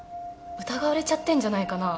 疑われちゃってんじゃないかなあ。